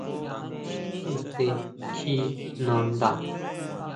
Suse kjí nanda.